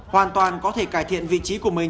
hoàn toàn có thể cải thiện vị trí của mình